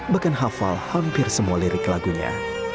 bahkan hafal hampir semua lirik lagunya